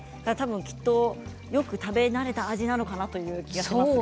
よく食べられた味なのかなという気がします。